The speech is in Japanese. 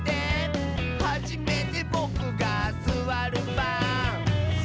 「はじめてボクがすわるばん」